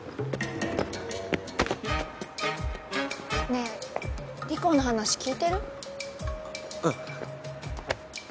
ねえ莉子の話聞いてる？